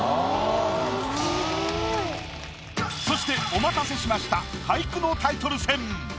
そしてお待たせしました俳句のタイトル戦。